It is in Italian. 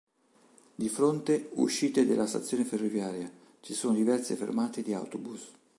Di fronte uscite della stazione ferroviaria, ci sono diverse fermate di autobus.